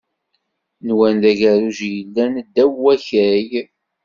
Nwan d agerruj i yellan ddaw wakal.